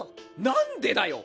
何でだよ！